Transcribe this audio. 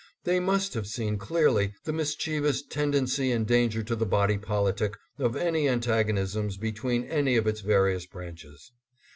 They must have seen clearly the mischievous tendency and danger to the body politic of any antagonisms between any of its vari ous branches.